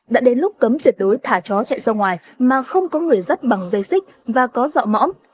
đã đến lúc cấm tuyệt đối thả chó chạy ra ngoài mà không có người dắt bằng dây xích và có dọa mõm